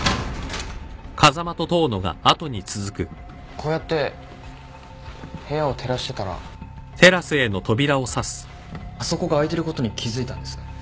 こうやって部屋を照らしてたらあそこが開いてることに気付いたんです。